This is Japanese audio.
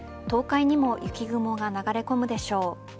東海にも雪雲が流れ込むでしょう。